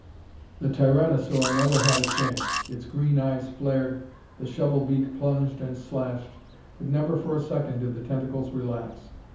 The tyranosaur never had a chance. Its green eyes flared, the shovel beak plunged and slashed, but never for a second did the tentacles relax.